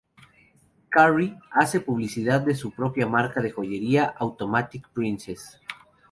Carey hace publicidad de su propia marca de joyería, Automatic Princess.